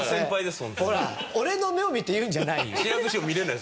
ほら俺の目を見て言うんじゃないよ。